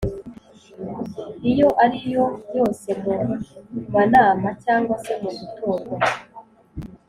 iyo ariyo yose mu Manama cyangwa se mu gutorwa